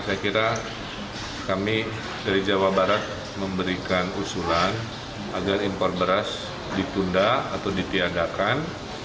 saya kira kami dari jawa barat memberikan usulan agar impor beras ditunda atau ditiadakan